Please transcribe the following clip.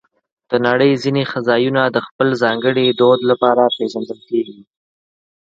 د نړۍ ځینې ځایونه د خپل ځانګړي دود لپاره پېژندل کېږي.